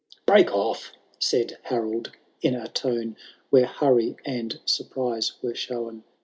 i— VI. « Break off t said Harold, in a tone Where hurry and surprise were shown.